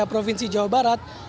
di provinsi jawa barat